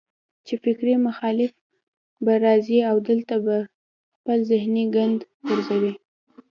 چې فکري مخالف به راځي او دلته به خپل ذهني ګند غورځوي